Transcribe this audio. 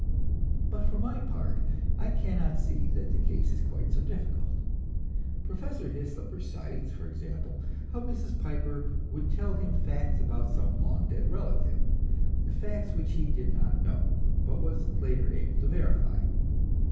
But for my part, I cannot see that the case is quite so difficult. Professor Hyslop recites, for example, how Mrs. Piper would tell him facts about some long dead relative facts which he did not know, but was later able to verify.